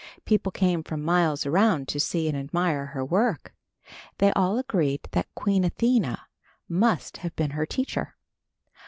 People came from miles around to see and admire her work. They all agreed that Queen Athena must have been her teacher.